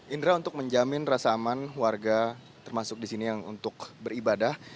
indra untuk menjamin rasa aman warga termasuk di sini yang untuk beribadah